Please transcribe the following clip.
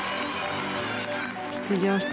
出場した